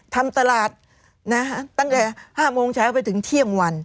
ทำตลาดตั้งแต่๕โมงเช้าไปถึงเที่ยงวัน